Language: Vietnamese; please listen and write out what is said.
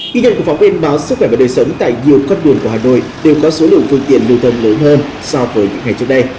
ghi nhận của phóng viên báo sức khỏe và đời sống tại nhiều con đường của hà nội đều có số lượng phương tiện lưu thông lớn hơn so với những ngày trước đây